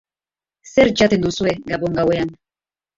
Zer jaten duzue gabon gauean?